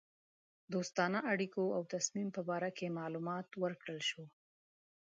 دوستانه اړېکو او تصمیم په باره کې معلومات ورکړه شوه.